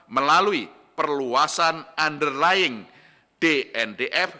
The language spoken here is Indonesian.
melalui perluasan underlying dndf